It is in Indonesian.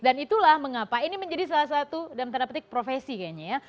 dan itulah mengapa ini menjadi salah satu dan tanda petik profesi kayaknya